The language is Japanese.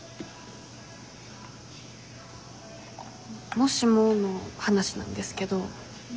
もしもの話なんですけど。